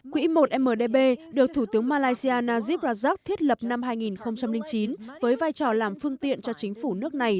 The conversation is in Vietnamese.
quỹ một mdb được thủ tướng malaysia najib rajak thiết lập năm hai nghìn chín với vai trò làm phương tiện cho chính phủ nước này